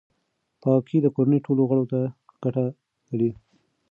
پاکي د کورنۍ ټولو غړو ته ګټه لري.